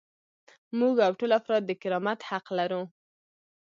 موږ او ټول افراد د کرامت حق لرو.